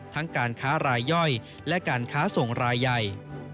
การค้ารายย่อยและการค้าส่งรายใหญ่